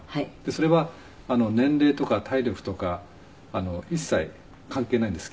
それは年齢とか体力とか一切関係ないんです。